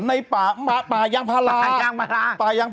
ในป่ามาป่ายางพารา